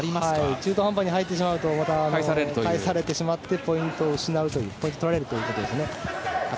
中途半端に入ってしまうと返されてしまってポイントを失う、ポイントを取られるということです。